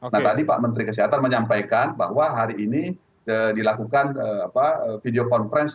nah tadi pak menteri kesehatan menyampaikan bahwa hari ini dilakukan video conference